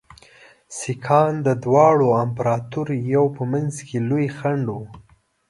سیکهان د دواړو امپراطوریو په منځ کې لوی خنډ وو.